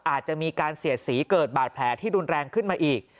อาจจะมีการเสียดสีเกิดบาดแผลที่รุนแรงขึ้นมาอีก